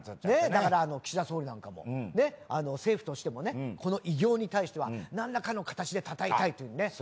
だから岸田総理なんかもね政府としてもねこの偉業に対してはなんらかの形で称えたいっていうんで。